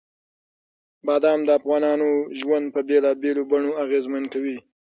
بادام د افغانانو ژوند په بېلابېلو بڼو اغېزمن کوي.